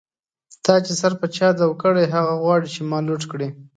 تا چی سر په چا دو کړۍ، هغه غواړی چی ما لوټ کړی